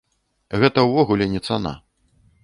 Гэта ўвогуле не цана.